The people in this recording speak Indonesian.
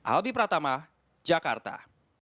albi pratama jakarta